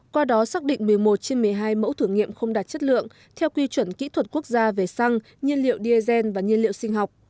qua đó xác định một mươi một trên một mươi hai mẫu thử nghiệm không đạt chất lượng theo quy chuẩn kỹ thuật quốc gia về xăng nhiên liệu diesel và nhiên liệu sinh học